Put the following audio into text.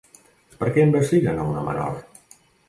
Per què investiguen a una menor?